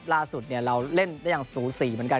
ล่าสุดเราเล่นได้อย่างสูสีเหมือนกัน